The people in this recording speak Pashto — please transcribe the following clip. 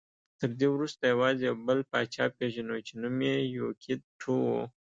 تر دې وروسته یوازې یو بل پاچا پېژنو چې نوم یې یوکیت ټو و